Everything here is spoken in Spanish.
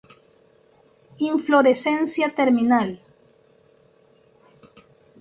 Inflorescencia terminal.